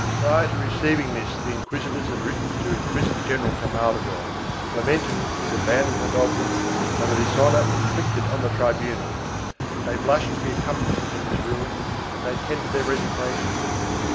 Prior to receiving this the inquisitors had written to Inquisitor general Camargo lamenting his abandon ment of them and the dishonor inflicted on the tribunal; they blushed to be accomplices in this ruin and they tendered their resignations.